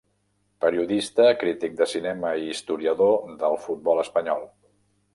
Periodista, crític de cinema i historiador del futbol espanyol.